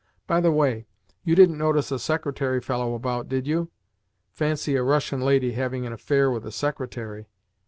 By the way, you didn't notice a secretary fellow about, did you? Fancy a Russian lady having an affaire with a secretary!"